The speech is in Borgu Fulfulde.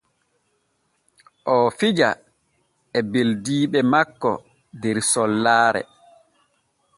O fija e ɓeldiiɓe makko der sollaare.